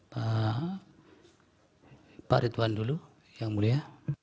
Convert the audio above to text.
pak ridwan dulu yang mulia